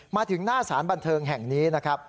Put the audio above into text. มาถึงหน้าสารบันเทิงแห่งนี้นะครับ